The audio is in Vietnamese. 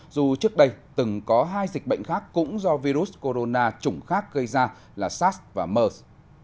dù trước đây từng có hai dịch bệnh khác cũng do virus corona chủng khác gây ra là sars và mers